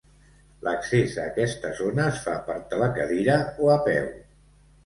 L'accés a aquesta zona es fa per telecadira o a peu.